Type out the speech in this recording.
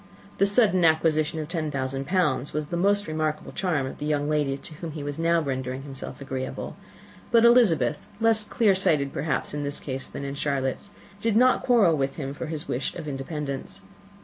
The sudden acquisition of ten thousand pounds was the most remarkable charm of the young lady to whom he was now rendering himself agreeable; but Elizabeth, less clear sighted perhaps in this case than in Charlotte's, did not quarrel with him for his wish of independence.